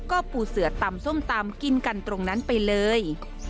ก็ปูเสือตำส้มตำกินกันตรงนั้นไปเลย